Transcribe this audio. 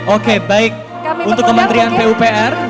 oke baik untuk kementerian pupr